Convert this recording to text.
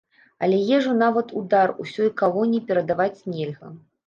Але ежу нават у дар ўсёй калоніі перадаваць нельга.